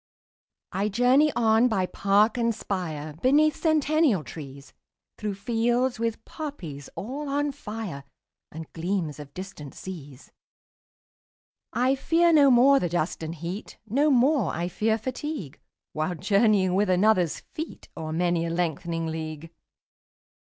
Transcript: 20 I journey on by park and spire, Beneath centennial trees, Through fields with poppies all on fire, And gleams of distant seas. I fear no more the dust and heat, 25 No more I fear fatigue, While journeying with another's feet O'er many a lengthening league.